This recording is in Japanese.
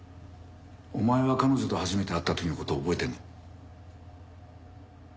お前は彼女と初めて会った時の事覚えてるの？